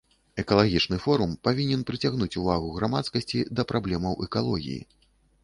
Экалагічны форум павінен прыцягнуць увагу грамадскасці да праблемаў экалогіі.